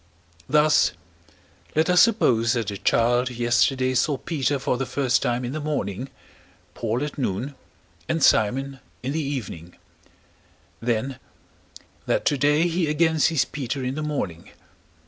Thus, let us suppose that a child yesterday saw Peter for the first time in the morning, Paul at noon, and Simon in the evening; then, that today he again sees Peter in the morning.